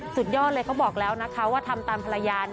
สุดยอดเลยเขาบอกแล้วนะคะว่าทำตามภรรยา